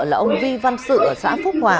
và ông vi văn sự ở xã phúc hòa